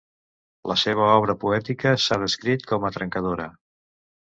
La seva obra poètica s'ha descrit com a trencadora.